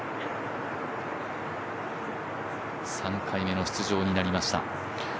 ３回目の出場になりました。